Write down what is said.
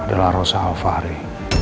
adalah rosa alvari